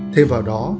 thêm vào đó